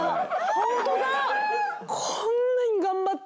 ホントだ！